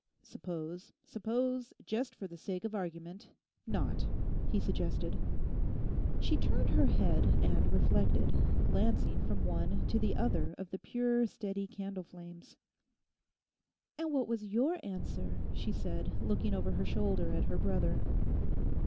'Suppose, suppose, just for the sake of argument—not,' he suggested. She turned her head and reflected, glancing from one to the other of the pure, steady candle flames. 'And what was your answer?' she said, looking over her shoulder at her brother.